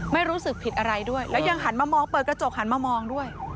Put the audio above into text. ไม่รู้สึกผิดอะไรด้วยแล้วยังหันมามองเปิดกระจกหันมามองด้วย